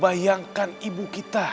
bayangkan ibu kita